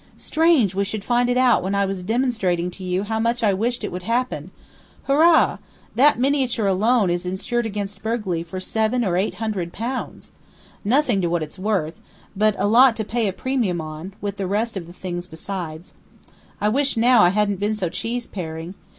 Strange we should find it out when I was demonstrating to you how much I wished it would happen. Hurrah! That miniature alone is insured against burglary for seven or eight hundred pounds. Nothing to what it's worth, but a lot to pay a premium on, with the rest of the things besides. I wish now I hadn't been so cheese paring.